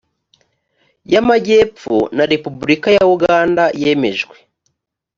y amajyepfo na repubulika ya uganda yemejwe